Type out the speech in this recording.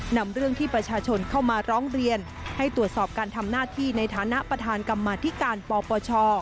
นำเรื่องที่ประชาชนเข้ามาร้องเรียนให้ตรวจสอบการทำหน้าที่ในฐานะประธานกรรมาธิการปปช